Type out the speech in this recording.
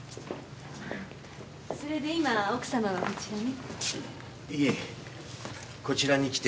それで今奥様はこちらに？